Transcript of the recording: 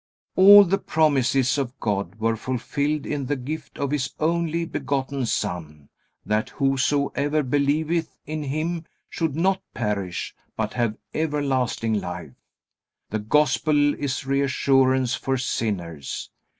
All the promises of God were fulfilled in the gift of His only begotten Son, that "whosoever believeth in him should not perish, but have everlasting life." The Gospel is reassurance for sinners.